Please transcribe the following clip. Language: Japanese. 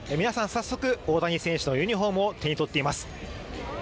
早速、大谷選手のユニフォームを手に取っています。